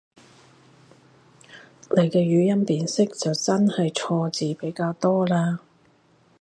你啲語音辨識就真係錯字比較多嘞